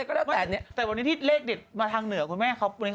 ก็แล้วแต่เนี่ยแต่วันนี้ที่เลขเด็ดมาทางเหนือคุณแม่เขา